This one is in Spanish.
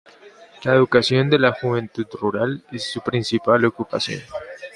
La educación de la juventud rural es su principal ocupación.